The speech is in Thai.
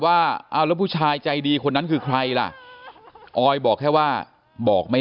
ว่าเอาแล้วผู้ชายใจดีคนนั้นคือใครล่ะออยบอกแค่ว่าบอกไม่